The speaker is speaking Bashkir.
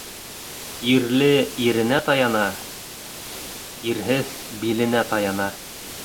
Ирле иренә таяна, ирһеҙ биленә таяна.